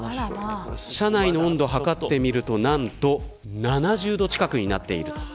車内の温度を測ってみるとなんと７０度近くになっている。